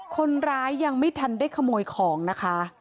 คนร้ายยังไม่ทันได้ขโมยของนะคะ